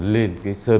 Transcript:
linh cái sơ đồ